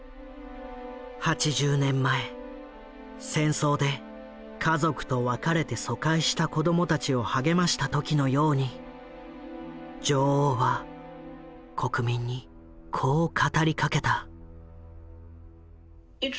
８０年前戦争で家族と別れて疎開した子どもたちを励ました時のように女王は国民にこう語りかけた。